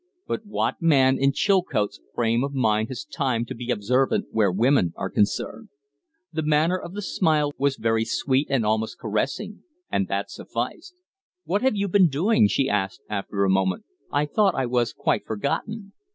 But what man in Chilcote's frame of mind has time to be observant where women are concerned? The manner of the smile was very sweet and almost caressing and that sufficed. "What have you been doing?" she asked, after a moment. "I thought I was quite forgotten."